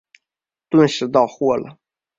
顿时到货了